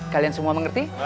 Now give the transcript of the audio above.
kalian semua mengerti